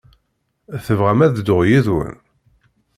Tebɣam ad dduɣ yid-wen?